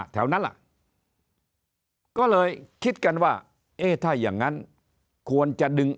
แถวนั้นล่ะก็เลยคิดกันว่าเอ๊ะถ้าอย่างนั้นควรจะดึง